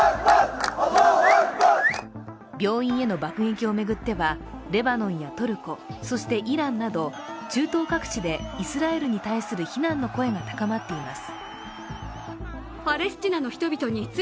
病院への爆撃を巡ってはレバノンやトルコ、そしてイランなど中東各地でイスラエルに対する非難の声が高まっています